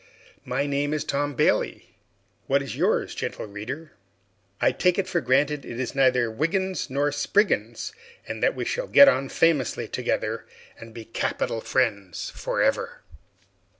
My name is Tom Bailey; what is yours, gentle reader? I take for granted it is neither Wiggins nor Spriggins, and that we shall get on famously together, and be capital friends forever.